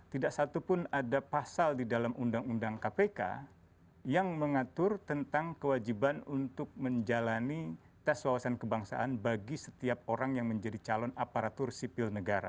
tidak satupun ada pasal di dalam undang undang kpk yang mengatur tentang kewajiban untuk menjalani tes wawasan kebangsaan bagi setiap orang yang menjadi calon aparatur sipil negara